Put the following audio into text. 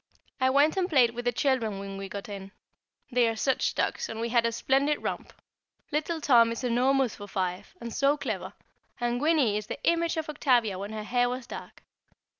I went and played with the children when we got in. They are such ducks, and we had a splendid romp. Little Tom is enormous for five, and so clever, and Gwynnie is the image of Octavia when her hair was dark.